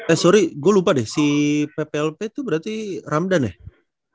eh sorry gue lupa deh si pplp itu berarti ramdan ya